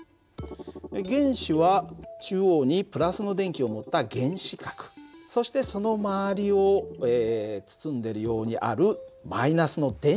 原子は中央にの電気を持った原子核そしてその周りを包んでるようにあるの電子